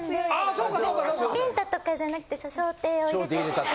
ビンタとかじゃなくて掌底を入れてしまって。